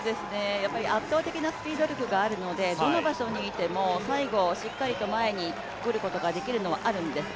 圧倒的なスピード力があるので、どの場所にいてもしっかりと前に来ることができるのはあるんです。